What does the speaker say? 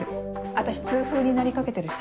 私痛風になりかけてるし。